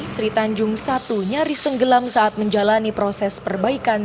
seritanjung satu nyaris tenggelam saat menjalani proses perbaikan